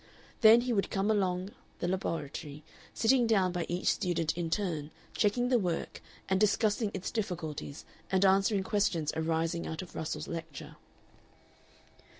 Then he would come along the laboratory, sitting down by each student in turn, checking the work and discussing its difficulties, and answering questions arising out of Russell's lecture.